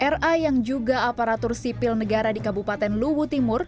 ra yang juga aparatur sipil negara di kabupaten luwu timur